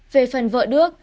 về phần vợ đức